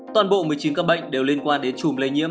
toàn bộ một mươi chín ca bệnh đều liên quan đến chùm lây nhiễm